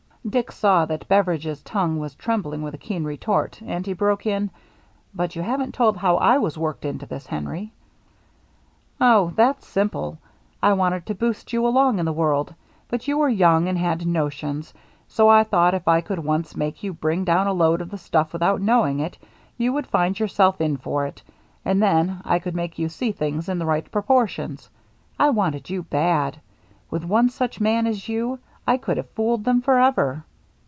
Dick saw that Beveridge's tongue was trembling with a keen retort, and he broke in, " But you haven't told how I was worked into this, Henry." " Oh, that's simple. I wanted to boost you along in the world, but you were young and HARBOR LIGHTS 397 had notions. So I thought if I could once make you bring down a load of the stuff without knowing it, you would find yourself in for it, and then I could make you see things in the right proportions. I wanted you, bad. With one such man as you, I could have fooled them forever."